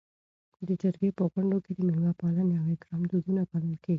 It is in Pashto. د جرګې په غونډو کي د میلمه پالنې او اکرام دودونه پالل کيږي.